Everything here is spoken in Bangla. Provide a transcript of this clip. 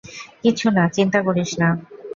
কিছু না, চিন্তা করিস না।